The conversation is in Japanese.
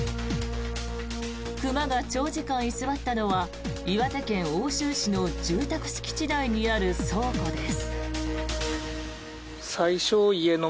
熊が長時間居座ったのは岩手県奥州市の住宅敷地内にある倉庫です。